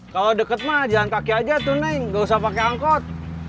kalau deket mah jalan kaki aja tuh naik nggak usah pakai angkot